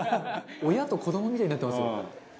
「親と子どもみたいになってますよ」